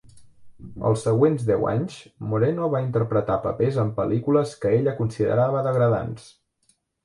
Els següents deu anys, Moreno va interpretar papers en pel·lícules que ella considerava degradants.